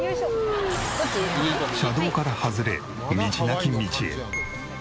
車道から外れ道なき道へ。